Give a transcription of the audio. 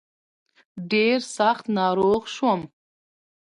ډېر سخت ناروغ شوم.